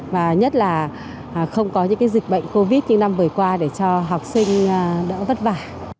và nhất là không có những dịch bệnh covid những năm vừa qua để cho học sinh đỡ vất vả